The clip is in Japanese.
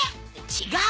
違う！